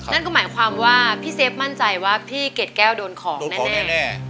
นั่นก็หมายความว่าพี่เซฟมั่นใจว่าพี่เกดแก้วโดนของแน่